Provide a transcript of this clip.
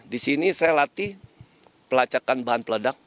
di sini saya latih pelacakan bahan peledak